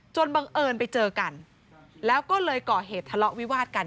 บังเอิญไปเจอกันแล้วก็เลยก่อเหตุทะเลาะวิวาดกัน